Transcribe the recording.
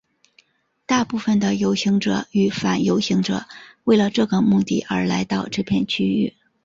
大部分的游行者与反游行者为了这个目的而来到这片区域。